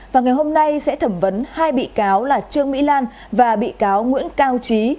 và ngày hôm nay sẽ thẩm vấn hai bị cáo là trương mỹ lan và bị cáo nguyễn cao trí